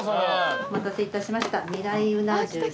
お待たせいたしました。